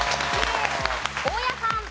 大家さん。